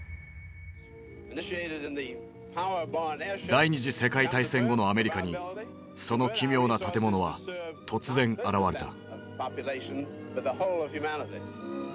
第２次世界大戦後のアメリカにその奇妙な建物は突然現れた。